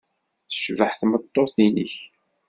Tecbeḥ tmeṭṭut-nnek?